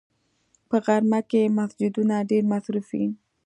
په غرمه کې مسجدونه ډېر مصروف وي